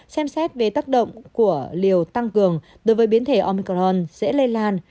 xem xét về tác động của liều tăng cường đối với biến thể omicron sẽ lây lan